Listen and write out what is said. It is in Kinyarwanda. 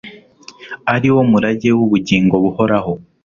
ari wo murage w’ubugingo buhoraho